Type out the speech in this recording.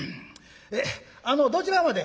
あのどちらまで？」。